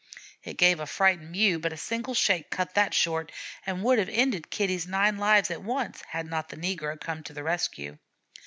It gave a frightened "mew," but a single shake cut that short and would have ended Kitty's nine lives at once, had not the negro come to the rescue.